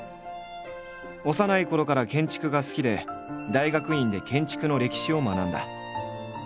幼いころから建築が好きで大学院で建築の歴史を学んだ。